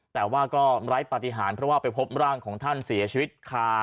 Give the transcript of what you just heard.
แต่ว่าก็ไร้ปฏิหารเพราะว่าไปพบร่างของท่านเสียชีวิตคา